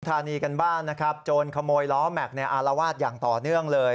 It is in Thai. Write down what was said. ธานีกันบ้านนะครับโจรขโมยล้อแม็กซ์อารวาสอย่างต่อเนื่องเลย